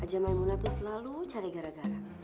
aja main muna tuh selalu cari gara gara